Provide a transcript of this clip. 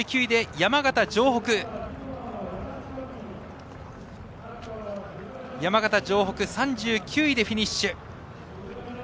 山形城北、３９位でフィニッシュ。